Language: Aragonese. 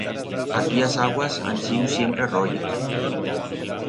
Aquí as aguas han siu siempre royas.